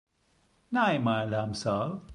Này mày làm sao